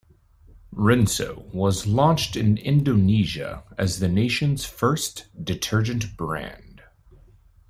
Rinso was launched in Indonesia as the nation's first detergent brand.